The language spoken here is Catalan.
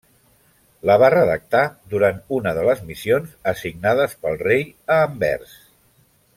La va redactar durant una de les missions assignades pel rei a Anvers.